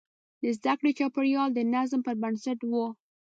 د زده کړې چاپېریال د نظم پر بنسټ و.